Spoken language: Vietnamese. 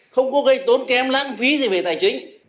không có gây tốn kém lãng phí gì về tài chính